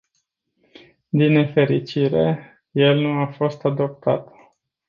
Din nefericire, el nu a fost adoptat.